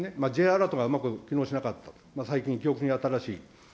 Ｊアラートがうまく機能しなかったと、最近、記憶に新しい。